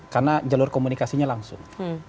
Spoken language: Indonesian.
karena jalur komunikasinya langsung